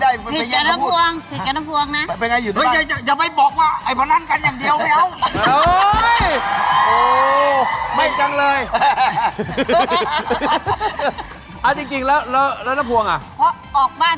อ่าจริงแล้วแล้วแล้วน้ำภวงอ่ะเพราะออกบ้านตลกใช่ไหมถ้าอยู่บ้านเราวนรอบบ้านทั้งวัน